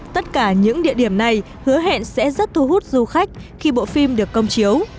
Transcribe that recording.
tất cả những địa điểm này hứa hẹn sẽ rất thu hút du khách khi bộ phim được công chiếu